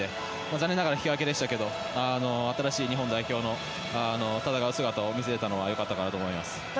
残念ながら引き分けでしたが新しい日本代表の戦う姿を見せられたのは良かったかなと思います。